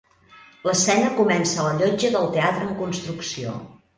L'escena comença a la llotja del teatre en construcció.